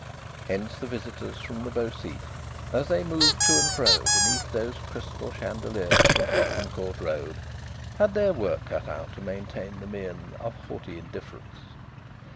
Hence the visitors from the Beau Site, as they moved to and fro beneath those crystal chandeliers from Tottenham Court Road, had their work cut out to maintain the mien of haughty indifference.